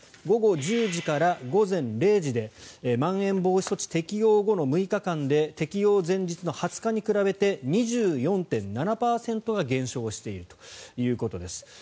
午後１０時から午前０時でまん延防止措置適用後の６日間で適用前日の２０日に比べて２４．７％減少しているということです。